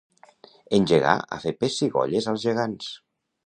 Engegar a fer pessigolles als gegants.